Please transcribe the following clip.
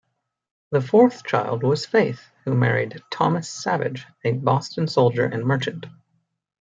The fourth child was Faith, who married Thomas Savage, a Boston soldier and merchant.